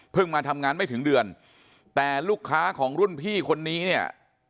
มาทำงานไม่ถึงเดือนแต่ลูกค้าของรุ่นพี่คนนี้เนี่ย